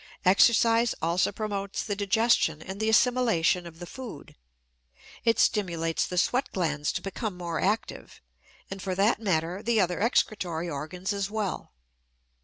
Exercise also promotes the digestion and the assimilation of the food. It stimulates the sweat glands to become more active; and, for that matter, the other excretory organs as well.